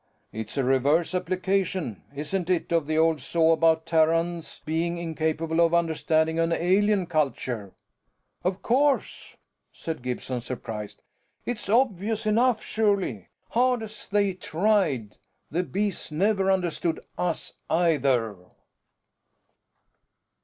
"It's a reverse application, isn't it of the old saw about Terrans being incapable of understanding an alien culture?" "Of course," said Gibson, surprised. "It's obvious enough, surely hard as they tried, the Bees never understood us either."